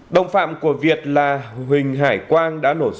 đồng phạm của việt là huỳnh hải quang đã nổ súng chúng vào